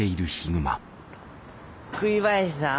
栗林さん。